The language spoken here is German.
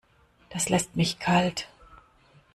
Das lässt mich kalt.